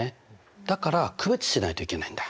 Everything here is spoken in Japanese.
だから区別しないといけないんだ。